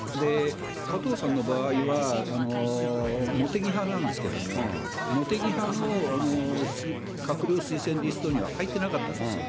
加藤さんの場合は、茂木派なんですけれども、茂木派の閣僚推薦リストには入ってなかったんです。